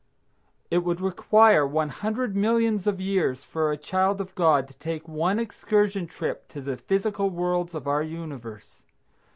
It would require one hundred millions of years for a child of God to take one excursion trip to the physical worlds of our universe.